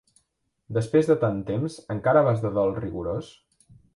Després de tant temps encara vas de dol rigorós?